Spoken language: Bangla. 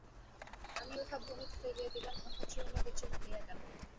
আমি উহা ভূমিতে ফেলিয়া দিলাম, উহা চূর্ণবিচূর্ণ হইয়া গেল।